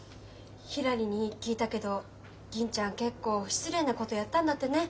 ひらりに聞いたけど銀ちゃん結構失礼なことやったんだってね。